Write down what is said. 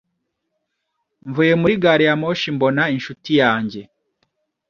Mvuye muri gari ya moshi, mbona inshuti yanjye.